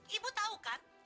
ibu tahu kan